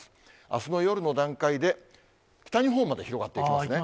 あすの夜の段階で、北日本まで広がっていきますね。